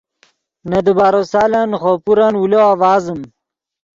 نے دیبارو سالن نے خوئے پورن اولو آڤازیم